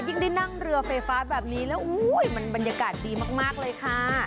ยิ่งได้นั่งเรือไฟฟ้าแบบนี้แล้วมันบรรยากาศดีมากเลยค่ะ